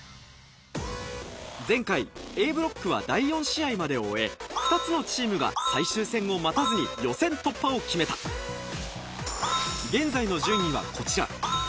前回Ａブロックは第４試合までを終え２つのチームが最終戦を待たずに予選突破を決めた現在の順位はこちらＡ